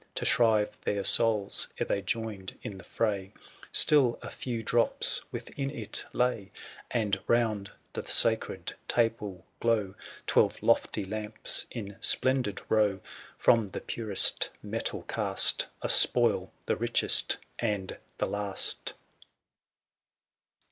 To shrive their souls ere they joined in the fray. 960 Still a few drops within it lay; And round the sacred table glow Twelve lofty lamps, in splendid row, From the purest metal cast; A spoil — the richest, and the last.